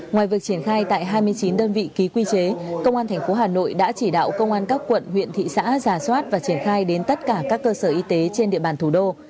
ngoài việc triển khai tại hai mươi chín đơn vị ký quy chế công an tp hà nội đã chỉ đạo công an các quận huyện thị xã giả soát và triển khai đến tất cả các cơ sở y tế trên địa bàn thủ đô